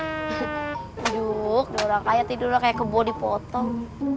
aduh orang kaya tidur kayak keboh dipotong